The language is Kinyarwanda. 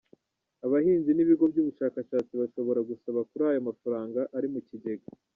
Abahinzi n’ibigo by’ubushakashatsi bashobora gusaba kuri ayo mafaranga ari mu kigega.